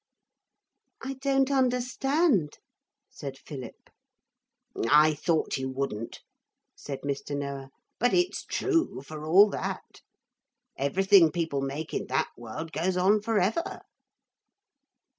'I don't understand,' said Philip. 'I thought you wouldn't,' said Mr. Noah; 'but it's true, for all that. Everything people make in that world goes on for ever.'